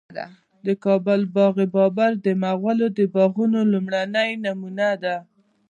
د کابل باغ بابر د مغلو د باغونو لومړنی نمونه ده